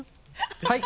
はい！